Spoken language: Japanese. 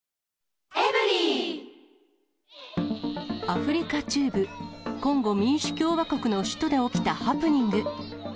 アフリカ中部コンゴ民主共和国の首都で起きたハプニング。